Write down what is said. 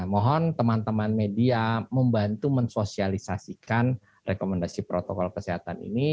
mohon teman teman media membantu mensosialisasikan rekomendasi protokol kesehatan ini